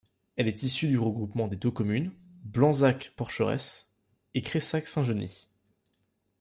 Elle est issue du regroupement des deux communes Blanzac-Porcheresse et Cressac-Saint-Genis.